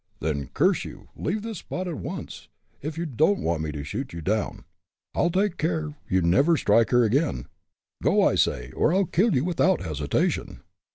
"Then, curse you, leave this spot at once, if you don't want me to shoot you down. I'll take care you never strike her again! Go! I say, or I'll kill you without hesitation!"